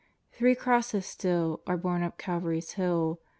Three crosses still Are borne up Calvary's hill.